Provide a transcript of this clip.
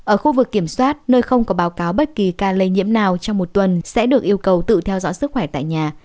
ở khu vực kiểm soát nơi không có báo cáo bất kỳ ca lây nhiễm nào trong một tuần sẽ được yêu cầu tự theo dõi sức khỏe tại nhà